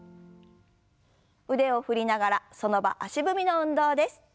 腕を振りながらその場足踏みの運動です。